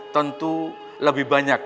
tentu lebih banyak